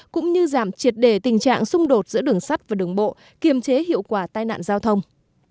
cũng như giảm triệt đề tình trạng xung đột giữa đường sắt và đường bộ kiềm chế hiệu quả tai nạn giao thông